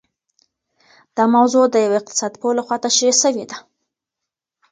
دا موضوع د يوه اقتصاد پوه لخوا تشرېح سوې ده.